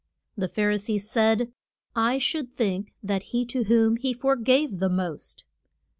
The Phar i see said, I should think that he to whom he for gave the most.